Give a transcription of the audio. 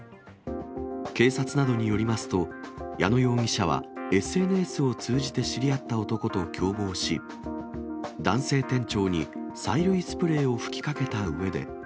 警察などによりますと、矢野容疑者はＳＮＳを通じて知り合った男と共謀し、男性店長に催涙スプレーを吹きかけたうえで。